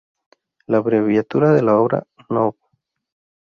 La abreviatura de la obra, Nov.